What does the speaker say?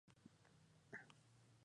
Lo que faltaba, era la llegada del color.